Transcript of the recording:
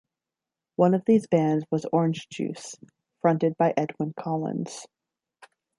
One of these bands was Orange Juice, fronted by Edwyn Collins.